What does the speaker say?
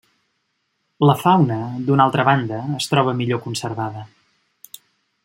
La fauna, d'una altra banda, es troba millor conservada.